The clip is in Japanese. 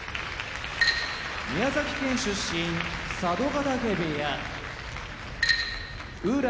宮崎県出身佐渡ヶ嶽部屋宇良